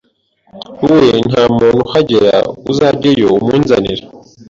iwe nta muntu uhagera uzajyeyo umunzanire